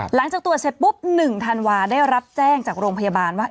หลังจากตรวจเสร็จปุ๊บ๑ธันวาได้รับแจ้งจากโรงพยาบาลว่า